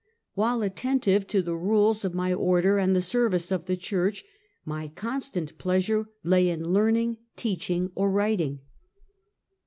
" While attentive to the rules of my order and the service of the Church, my constant pleasure lay in learning, teaching or writing."